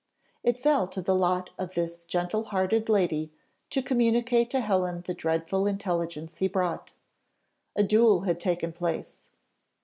It fell to the lot of this gentle hearted lady to communicate to Helen the dreadful intelligence he brought: a duel had taken place!